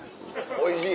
おいしい。